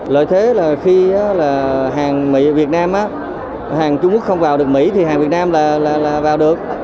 lợi thế là khi là hàng mỹ việt nam hàng trung quốc không vào được mỹ thì hàng việt nam là vào được